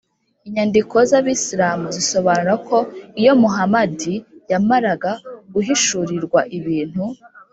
inyandiko z’abisilamu zisobanura ko iyo muhamadi yamaraga guhishurirwa ibintu,